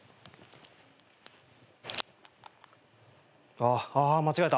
あっあ間違えた。